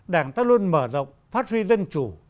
đảng ta luôn mở rộng phát huy dân chủ